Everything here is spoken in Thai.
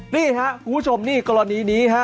นี่ค่ะคุณผู้ชมนี่กรณีนี้